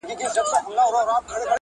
• او په څېر چي د اوزګړي لېونی سي -